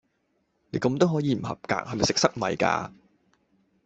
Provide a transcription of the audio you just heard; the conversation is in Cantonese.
你咁都可以唔合格，係唔係食塞米架！